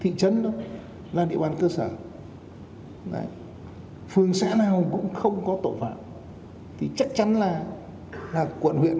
thị trấn thôi là địa bàn cơ sở phường xã nào cũng không có tội phạm thì chắc chắn là quận huyện